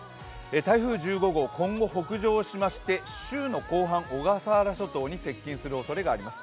台風１５号、今後北上しまして、週の後半、小笠原諸島へ接近するおそれがあります。